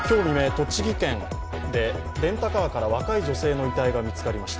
栃木県でレンタカーから若い女性の遺体が見つかりました。